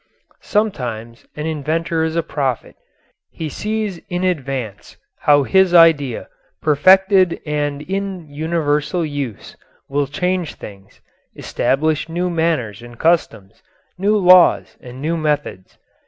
Sometimes an inventor is a prophet: he sees in advance how his idea, perfected and in universal use, will change things, establish new manners and customs, new laws and new methods.